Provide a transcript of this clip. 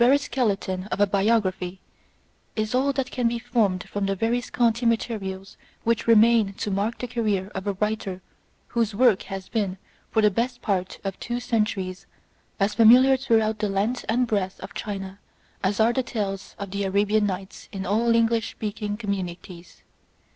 The barest skeleton of a biography is all that can be formed from the very scanty materials which remain to mark the career of a writer whose work has been for the best part of two centuries as familiar throughout the length and breadth of China as are the tales of the tf Arabian Nights" in all English speaking com munities.